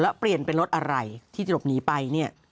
แล้วเปลี่ยนเป็นรถอะไรที่จะหลบหนีไปเนี่ย